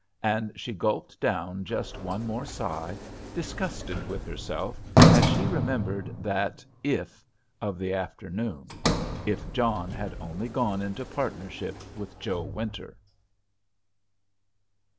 And she gulped down just one more sigh, disgusted with herself, as she remembered that "if" of the afternoon, "if John had only gone into partnership with Joe Winter."